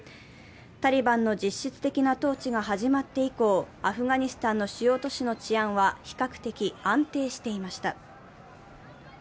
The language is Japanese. タリバンの実質的な統治が始まって以降アフガニスタンの主要都市の治安は比較的安定していました。